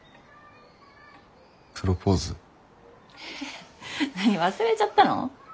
えっ何忘れちゃったの？